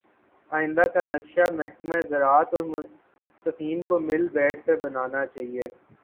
آئندہ کا نقشہ محکمہ زراعت اورمنصفین کو مل بیٹھ کر بنانا چاہیے